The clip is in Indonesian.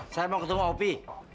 saya mau ketemu opi